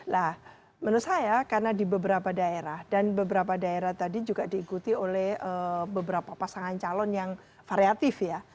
nah menurut saya karena di beberapa daerah dan beberapa daerah tadi juga diikuti oleh beberapa pasangan calon yang variatif ya